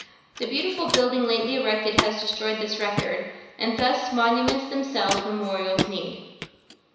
The beautiful building lately erected has destroyed this record, and thus 'monuments themselves memorials need.'